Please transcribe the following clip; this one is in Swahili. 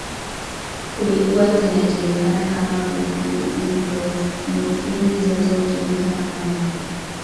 kuigwa zinajulikana kama buprenofini zote hutumika kama dawa